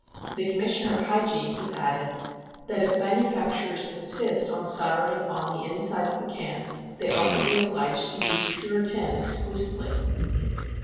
The Commissioner of Hygiene has added that, if manufacturers insist on solder ing on the inside of the cans, they ought to be obliged to use pure tin exclusively."